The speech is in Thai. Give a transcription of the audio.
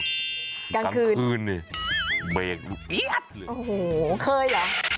ไม่เคย